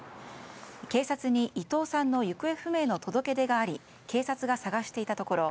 警察に伊藤さんの行方不明の届け出があり警察が捜していたところ